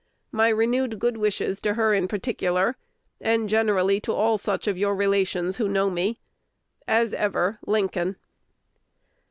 My renewed good wishes to her in particular, and generally to all such of your relations who know me. As ever, Lincoln.